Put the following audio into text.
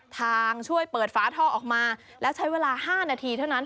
ช่วยเปิดฝาท่อออกมาและใช้เวลา๕นาทีเท่านั้น